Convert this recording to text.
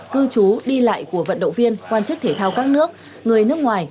cư trú đi lại của vận động viên quan chức thể thao các nước người nước ngoài